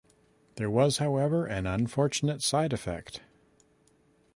There was, however, an unfortunate side effect.